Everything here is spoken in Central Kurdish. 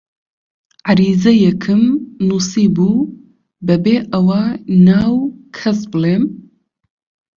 عەریزەیەکم نووسیبوو بەبێ ئەوە ناو کەس بڵێم: